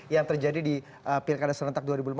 yang terjadi di pilkada serentak dua ribu lima belas